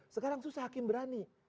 sekarang susah hakim berani